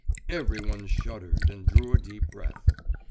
Every one shuddered and drew a deep breath.